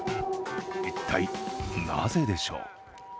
一体なぜでしょう。